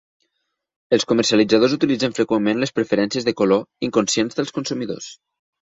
Els comercialitzadors utilitzen freqüentment las preferències de color inconscients del consumidors.